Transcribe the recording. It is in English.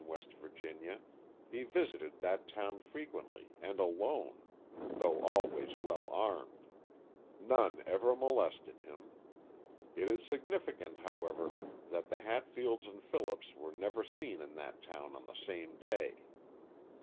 Va., he visited that town frequently and alone, though always well armed. None ever molested him. It is significant, however, that the Hatfields and Phillips were never seen in that town on the same day.